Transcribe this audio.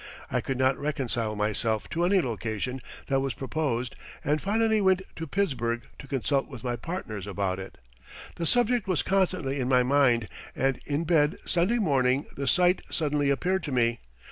I could not reconcile myself to any location that was proposed, and finally went to Pittsburgh to consult with my partners about it. The subject was constantly in my mind and in bed Sunday morning the site suddenly appeared to me.